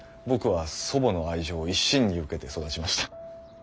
僕は祖母の愛情を一身に受けて育ちました。